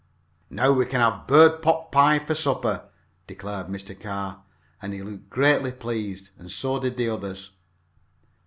"Now we can have a bird pot pie for supper," declared Mr. Carr, and he looked greatly pleased, and so did the others.